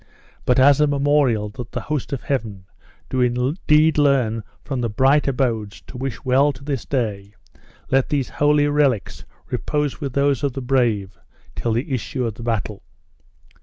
But as a memorial that the host of heaven do indeed learn from the bright abodes to wish well to this day, let these holy relics repose with those of the brave till the issue of the battle."